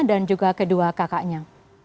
dan juga kedua kakaknya